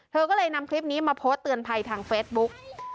เธอก็เลยนำคลิปนี้มาโพสต์เตือนภัยทางเฟซบุ๊ก